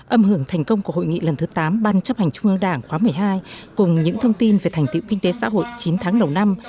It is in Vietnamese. âm hưởng thành công của hội nghị lần thứ tám ban chấp hành trung ương đảng khóa một mươi hai cùng những thông tin về thành tiệu kinh tế xã hội chín tháng đầu năm